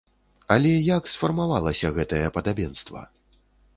Але як сфармавалася гэтае падабенства?